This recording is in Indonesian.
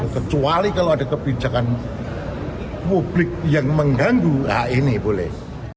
kecuali kalau ada kebijakan publik yang mengganggu hak ini boleh